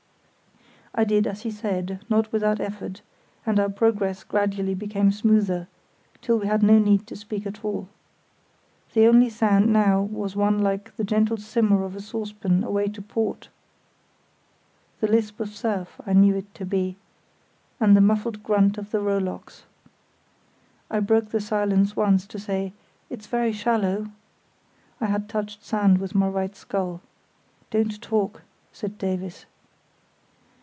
I did as he said, not without effort, and our progress gradually became smoother, till he had no need to speak at all. The only sound now was one like the gentle simmer of a saucepan away to port—the lisp of surf I knew it to be—and the muffled grunt of the rowlocks. I broke the silence once to say "It's very shallow." I had touched sand with my right scull. "Don't talk," said Davies.